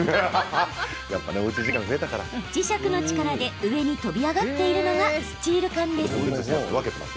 磁石の力で、上に飛び上がっているのがスチール缶です。